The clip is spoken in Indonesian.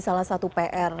salah satu pr